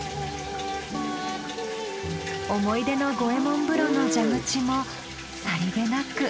思い出の五右衛門風呂の蛇口もさりげなく。